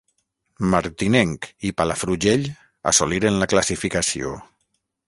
Martinenc i Palafrugell assoliren la classificació.